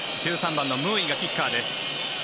１３番のムーイがキッカーです。